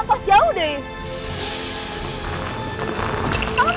aja itu yang medical bike